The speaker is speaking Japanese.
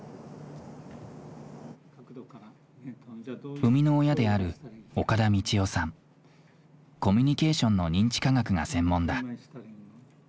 生みの親であるコミュニケーションの認知科学が専門だ。